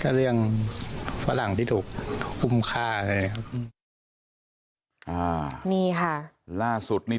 ก็เรียกฝรั่งที่ถูกคุ้มค่าเลยครับอ่ามีค่ะล่าสุดนี้